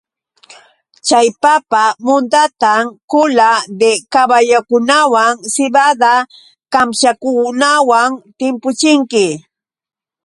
Chay papa mundatam kula de kaballukunawan sibada kamchakunawan timpuchinki.